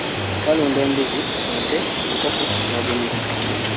Balunda embuzi, ente, enkoko n'obumyu.